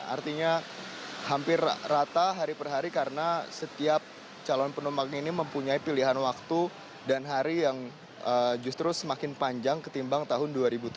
artinya hampir rata hari per hari karena setiap calon penumpang ini mempunyai pilihan waktu dan hari yang justru semakin panjang ketimbang tahun dua ribu tujuh belas